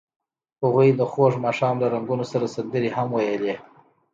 هغوی د خوږ ماښام له رنګونو سره سندرې هم ویلې.